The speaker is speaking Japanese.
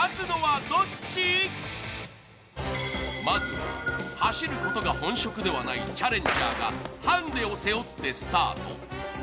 まずは走ることは本職ではないチャレンジャーがハンデを背負ってスタート。